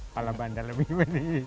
pala banda lebih pedis